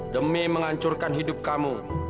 demi menghancurkan hidup kamu